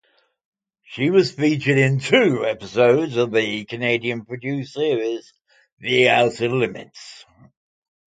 She was featured in two episodes of the Canadian-produced series "The Outer Limits".